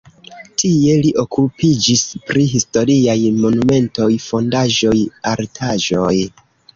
Tie li okupiĝis pri historiaj monumentoj, fondaĵoj, artaĵoj.